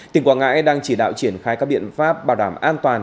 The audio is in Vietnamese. tỉnh quảng ngãi đang chỉ đạo triển khai các biện pháp bảo đảm an toàn